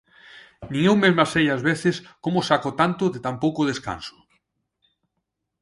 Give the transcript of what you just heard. Nin eu mesma sei ás veces como saco tanto de tan pouco descanso.